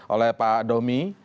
oleh pak domi